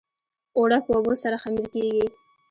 اوړه په اوبو سره خمیر کېږي